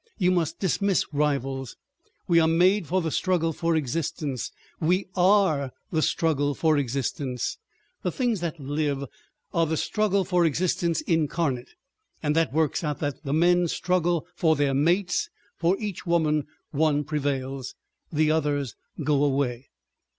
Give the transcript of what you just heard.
You must dismiss rivals. We are made for the struggle for existence—we are the struggle for existence; the things that live are the struggle for existence incarnate—and that works out that the men struggle for their mates; for each woman one prevails. The others go away."